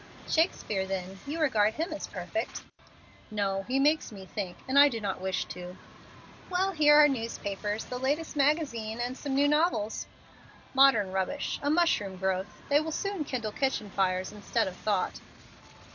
"Shakespeare, then; you regard him as perfect." "No, he makes me think, and I do not wish to." "Well, here are newspapers, the latest magazine, and some new novels." "Modern rubbish a mushroom growth. They will soon kindle kitchen fires instead of thought."